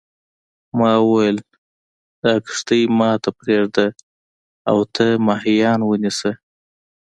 ما وویل دا کښتۍ ما ته پرېږده او ته ماهیان ونیسه.